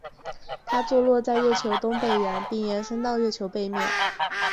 它坐落在月球东北缘并延伸到月球背面。